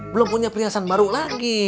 belum punya perhiasan baru lagi